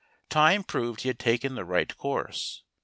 Time proved he had taken the right course.